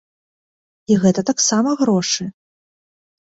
І гэта таксама грошы.